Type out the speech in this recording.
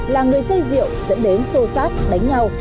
là người xây rượu dẫn đến xô xác đánh nhau